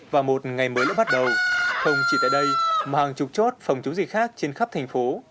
và một ngày mới đã bắt đầu không chỉ tại đây mà hàng chục chốt phòng chống dịch khác trên khắp thành phố